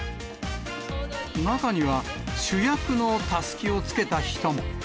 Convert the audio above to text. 中には、主役のたすきをつけた人も。